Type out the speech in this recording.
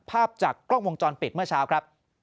ภาพจากกล้องวงจรปิดเมื่อเช้าครับ